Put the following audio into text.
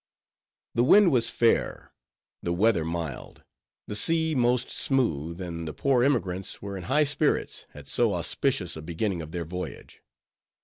The wind was fair; the weather mild; the sea most smooth; and the poor emigrants were in high spirits at so auspicious a beginning of their voyage.